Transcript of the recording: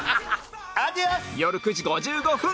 よる９時５５分